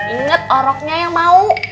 ingat oroknya yang mau